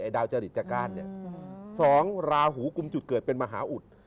ไอ้ดาวจริตจากก้านเนี่ยสองราหูกุมจุดเกิดเป็นมหาอุทธิ์